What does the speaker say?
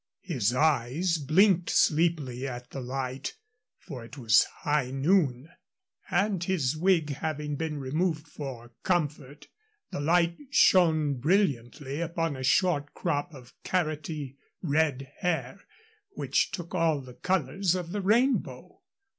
His eyes blinked sleepily at the light, for it was high noon; and his wig having been removed for comfort, the light shone brilliantly upon a short crop of carroty red hair which took all the colors of the rainbow.